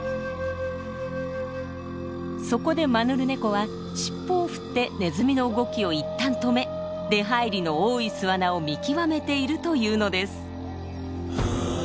そこでマヌルネコは尻尾を振ってネズミの動きを一旦止め出はいりの多い巣穴を見極めているというのです。